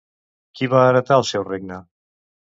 Qui va heretar el seu regne?